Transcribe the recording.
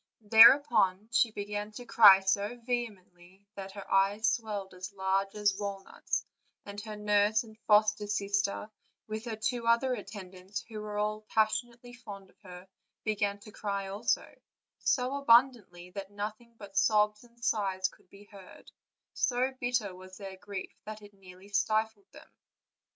Thereupon she began to cry so vehemently that her eyes swelled as large as walnuts, and her nurse and foster sister, with her two other attendants, who were all passionately fond of her, began to cry also, so abundantly that nothing but sobs and sighs could be heard; so bitter was their grief that it nearly stifled them.